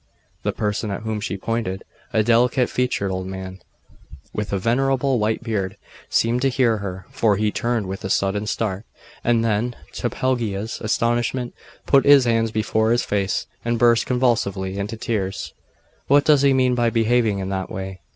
The person at whom she pointed, a delicate featured old man, with a venerable white beard, seemed to hear her; for he turned with a sudden start, and then, to Pelagia's astonishment, put his hands before his face, and burst convulsively into tears. 'What does he mean by behaving in that way?